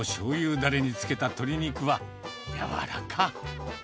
だれに漬けた鶏肉は、柔らか。